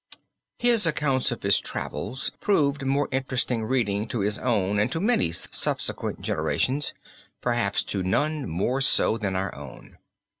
His accounts of his travels proved most interesting reading to his own and to many subsequent generations, perhaps to none more than our own.